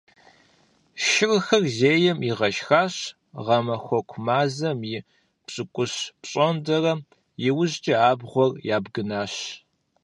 Шырхэр зейм игъэшхащ гъэмахуэку мазэм и пщыкӀущ пщӀондэ, иужькӀэ абгъуэр ябгынащ.